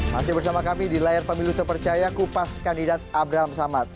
masih bersama kami di layar pemilu terpercaya kupas kandidat abraham samad